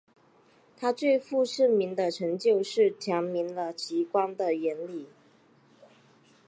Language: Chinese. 他最负盛名的成就是阐明了极光的原理。